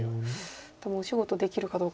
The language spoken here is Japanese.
でもお仕事できるかどうか。